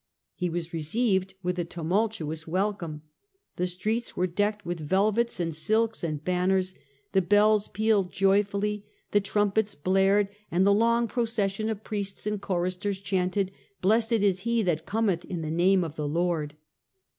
He was received with a tumultuous welcome. The streets were decked with velvets and silks and banners, the bells pealed joyfully, the trumpets blared, and the long pro cession of priests and choristers chanted " Blessed is he that cometh in the name of the Lord."